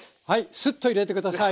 スッと入れて下さい。